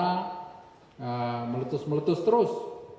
dengan cara meletus meletus terus